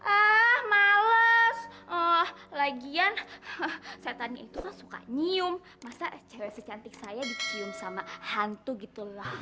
ah males lagian setannya itu suka nyium masa cewek secantik saya dicium sama hantu gitu loh